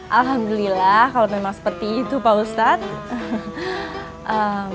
alhamdulillah kalau memang seperti itu pak ustadz